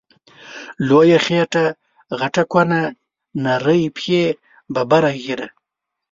لویه خیټه غټه کونه، نرۍ پښی ببره ږیره